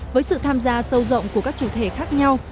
với sự tham gia sâu rộng của các chủ thể khác nhau